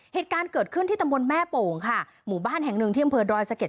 เหตุการณ์เกิดขึ้นที่ตำบลแม่โป่งค่ะหมู่บ้านแห่งหนึ่งที่อำเภอดอยสะเก็ด